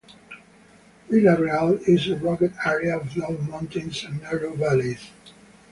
Vila Real is a rugged area of low mountains and narrow valleys.